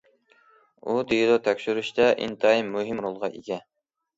ئۇ دېلو تەكشۈرۈشتە ئىنتايىن مۇھىم رولغا ئىگە.